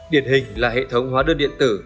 điển hình là hệ thống hóa đơn điện tử